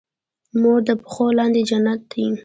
مور د پښو لاندې جنت لري